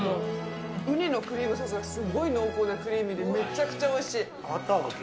ウニのクリームソースがすごい濃厚なクリーミーで、めちゃくちゃおいしい。